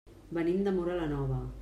Venim de Móra la Nova.